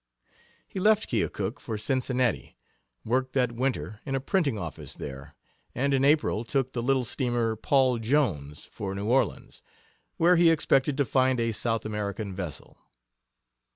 He left Keokuk for Cincinnati, worked that winter in a printing office there, and in April took the little steamer, Paul Jones, for New Orleans, where he expected to find a South American vessel.